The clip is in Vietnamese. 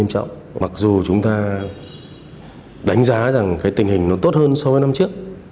mặc dù chúng ta đánh giá rằng tình hình tốt hơn so với năm trước